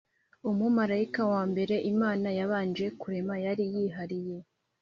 umumarayika wa mbere imana yabanje kurema yari yihariye.